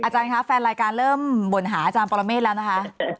คะแฟนรายการเริ่มบ่นหาอาจารย์ปรเมฆแล้วนะคะ